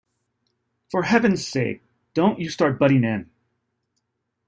For heaven's sake, don't you start butting in.